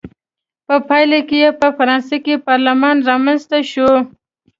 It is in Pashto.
په پایله کې یې په فرانسه کې پارلمان رامنځته شو.